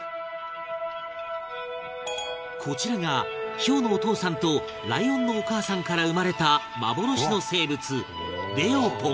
こちらが、ヒョウのお父さんとライオンのお母さんから生まれた幻の生物、レオポン